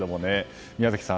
宮崎さん